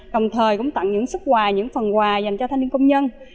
đồng thời cũng tặng những sức quà những phần quà dành cho thanh niên công nhân